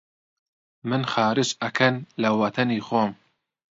من خارج ئەکەن لە وەتەنی خۆم!؟